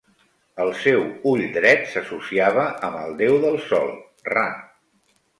El seu ull dret s'associava amb el déu del sol, Ra.